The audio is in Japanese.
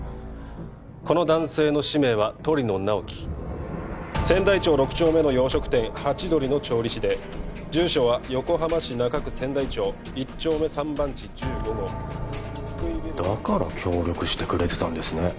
この男性の氏名は鳥野直木千代町６丁目の洋食店ハチドリの調理師で住所は横浜市中区千代町１丁目３番地１５号福井ビルだから協力してくれてたんですね